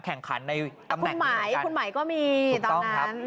คุณชัยธวัตร